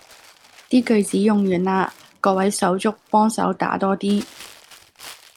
啲句子用完啦，各位手足幫手打多啲